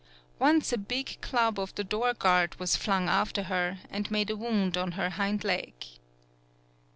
Once a big club of the door guard was flung after her, and made a wound on her hind leg.